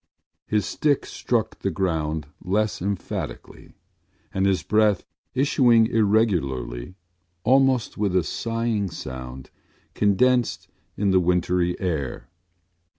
His stick struck the ground less emphatically and his breath, issuing irregularly, almost with a sighing sound, condensed in the wintry air.